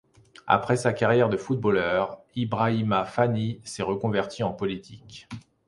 Après sa carrière de footballeur, Ibrahima Fanny s'est reconverti en politique.